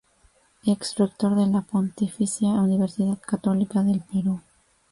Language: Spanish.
Ex rector de la Pontificia Universidad Católica del Perú.